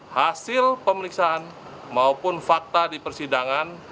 hasil pemeriksaan maupun fakta di persidangan